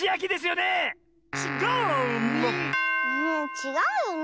ちがうよね